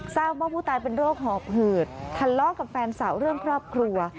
ทราบว่าผู้ตายเป็นโรคหอบหืดทะเลาะกับแฟนสาวเรื่องครอบครัว